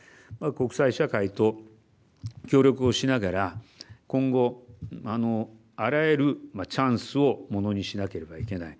国際社会と協力をしながら今後、あらゆるチャンスをものにしなければいけない。